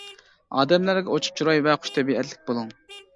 ئادەملەرگە ئوچۇق چىراي ۋە خۇش تەبىئەتلىك بولۇڭ.